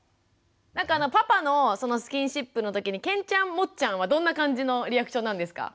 なんかパパのそのスキンシップのときにけんちゃんもっちゃんはどんな感じのリアクションなんですか？